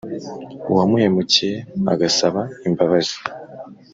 uwamuhemukiye agasaba imbabazi